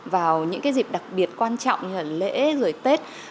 vào những cái dịp đặc biệt quan trọng như là lễ rồi tết